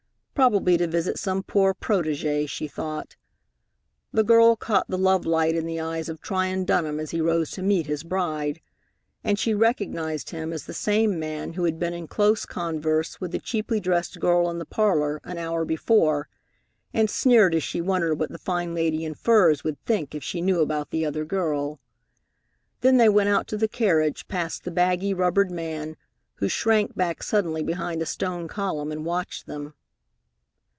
Probably to visit some poor protégée, she thought. The girl caught the love light in the eyes of Tryon Dunham as he rose to meet his bride, and she recognized him as the same man who had been in close converse with the cheaply dressed girl in the parlor an hour before, and sneered as she wondered what the fine lady in furs would think if she knew about the other girl. Then they went out to the carriage, past the baggy, rubbered man, who shrank back suddenly behind a stone column and watched them.